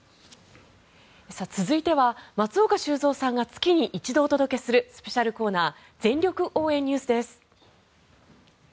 続いては松岡修造さんが月に一度お届けするスペシャルコーナー全力応援Ｎｅｗｓです。